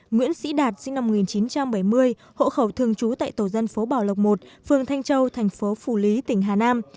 nguyễn sĩ đạt sinh năm một nghìn chín trăm bảy mươi hộ khẩu thường trú tại tổ dân phố bảo lộc một phường thanh châu thành phố phủ lý tỉnh hà nam